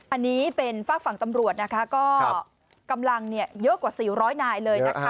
อันนี้เป็นฝากฝั่งตำรวจนะคะก็กำลังเยอะกว่า๔๐๐นายเลยนะคะ